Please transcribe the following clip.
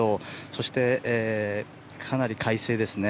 そして、かなり快晴ですね。